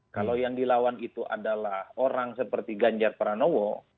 kalau yang dilawan itu adalah orang seperti ganjar pranowo